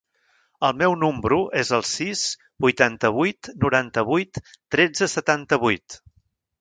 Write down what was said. El meu número es el sis, vuitanta-vuit, noranta-vuit, tretze, setanta-vuit.